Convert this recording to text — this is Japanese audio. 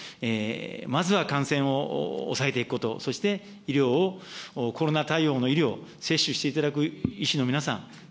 まずは感染を抑えていくこと、そして医療をコロナ対応の医療、接種していただく医師の皆さん、そ